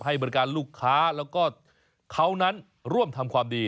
ให้บริการลูกค้าแล้วก็เขานั้นร่วมทำความดี